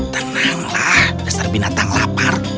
tenanglah besar binatang lapar